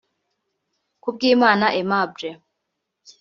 Kubwimana Aimable